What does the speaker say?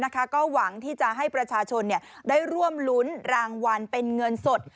ก็หวังที่จะให้ประชาชนได้ร่วมรุ้นรางวัลเป็นเงินสด